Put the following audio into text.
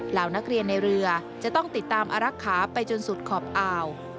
เหล่านักเรียนในเรือจะต้องติดตามอารักษาไปจนสุดขอบอ่าว